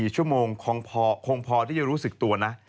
๔ชั่วโมงคงพอที่จะรู้สึกตัวนะ